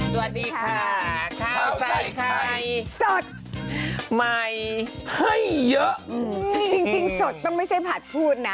สวัสดีค่ะข้าวใจใครสดใหม่เยอะจริงสดต้องไม่ใช่ผัดพูดนะ